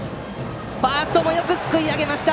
ファーストもよくすくい上げました。